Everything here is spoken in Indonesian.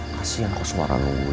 kasian aku suara nungguin